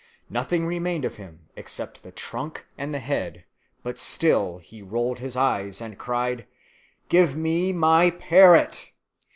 Nothing remained of him except the trunk and the head; but still he rolled his eyes, and cried, "Give me my parrot!"